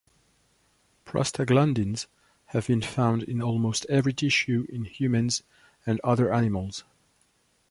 Prostaglandins have been found in almost every tissue in humans and other animals.